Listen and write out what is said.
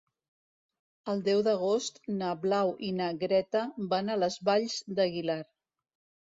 El deu d'agost na Blau i na Greta van a les Valls d'Aguilar.